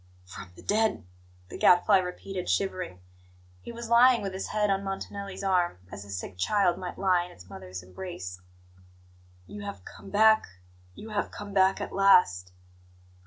"From the dead " the Gadfly repeated, shivering. He was lying with his head on Montanelli's arm, as a sick child might lie in its mother's embrace. "You have come back you have come back at last!"